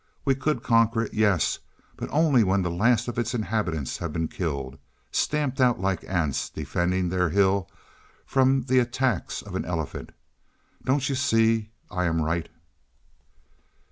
We could conquer it, yes; but only when the last of its inhabitants had been killed; stamped out like ants defending their hill from the attacks of an elephant. Don't you see I am right?"